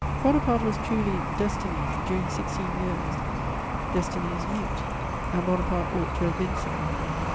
Bonaparte was truly Destiny during sixteen years: Destiny is mute, and Bonaparte ought to have been so.